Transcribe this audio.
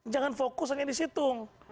jangan fokus hanya disitung